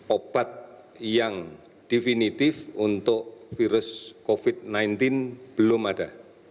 obat yang definitif untuk virus covid sembilan belas belum ada